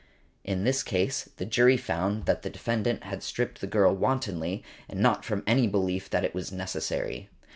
In this case the jury found that the defendant had stripped the girl wantonly, and not from any belief that it was necessary .